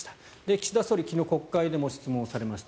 岸田総理は昨日、国会でも質問されました。